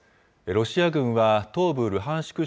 ロシア軍は東部ルハンシク